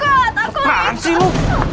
kepaan sih lu